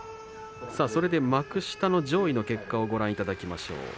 幕下の上位の結果をご覧いただきましょう。